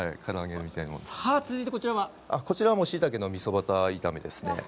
こちらも、しいたけのみそバター炒めです。